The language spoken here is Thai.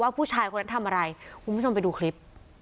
ผู้ชายคนนั้นทำอะไรคุณผู้ชมไปดูคลิป